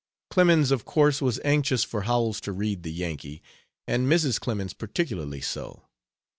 Clemens, of course, was anxious for Howells to read The Yankee, and Mrs. Clemens particularly so.